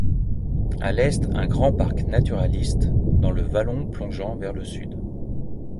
À l'est un grand parc naturaliste dans le vallon plongeant vers le sud.